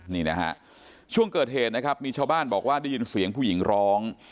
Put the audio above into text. นี่นะฮะช่วงเกิดเหตุนะครับมีชาวบ้านบอกว่าได้ยินเสียงผู้หญิงร้อง